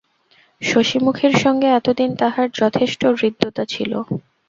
শশিমুখীর সঙ্গে এতদিন তাহার যথেষ্ট হৃদ্যতা ছিল।